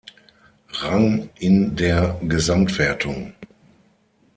Rang in der Gesamtwertung.